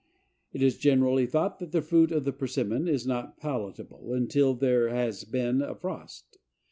It is generally thought that the fruit of the Persimmon is not palatable until there has been a frost.